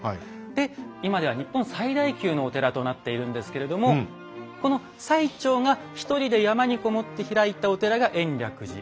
で今では日本最大級のお寺となっているんですけれどもこの最澄が１人で山にこもって開いたお寺が延暦寺。